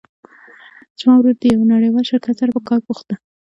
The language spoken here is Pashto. زما ورور د یو نړیوال شرکت سره په کار بوخت ده